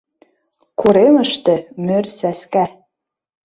Коремыште — мӧр сӓскӓ.